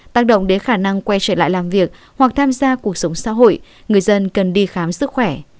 tác động đến khả năng quay trở lại làm việc hoặc tham gia cuộc sống xã hội người dân cần đi khám sức khỏe